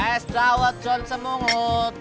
es dawat john semungut